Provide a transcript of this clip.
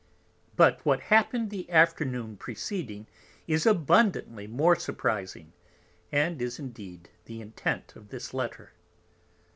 But what happened the Afternoon preceding, is abundantly more surprizing, and is indeed the Intent of this Letter.